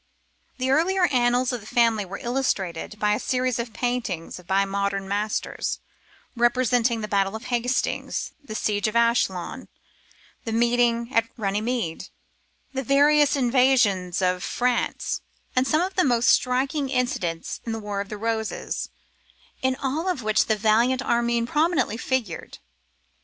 The earlier annals of the family were illustrated by a series of paintings by modern masters, representing the battle of Hastings, the siege of Ascalon, the meeting at Runnymede, the various invasions of France, and some of the most striking incidents in the Wars of the Roses, in all of which a valiant Armyn prominently figured.